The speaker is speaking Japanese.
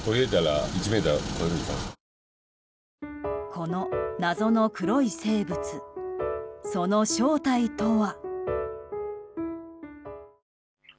この謎の黒い生物その正体とは？